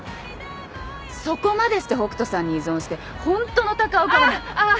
「そこまでして北斗さんに依存してホントの高岡は」ああ！